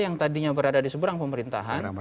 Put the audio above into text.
yang tadinya berada di seberang pemerintahan